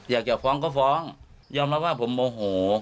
อยากจะฟ้องก็ฟ้องยอมรับว่าผมโมโห